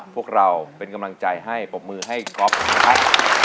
พวกเราเป็นกำลังใจให้ปรบมือให้ก๊อฟนะครับ